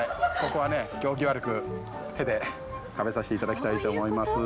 ここは行儀悪く、手で食べさせていただきたいと思います。